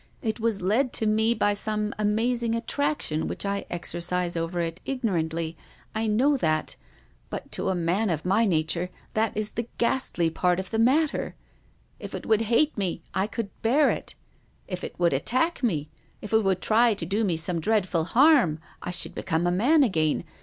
It was led to me by some amazing attraction which I ex •ircise over it ignorantly. I know that. But to a nan of my nature that is the ghastly part of the aiattcr. If it would hate me, I could bear it. If it would attack me, if it would try to do me some dreadful harm, I should become a man again.